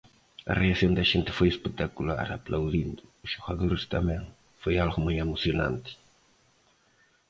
A reacción da xente foi espectacular, aplaudindo, os xogadores tamén, foi algo moi emocionante.